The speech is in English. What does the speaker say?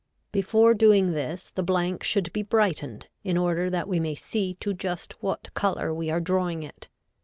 Before doing this the blank should be brightened, in order that we may see to just what color we are drawing it.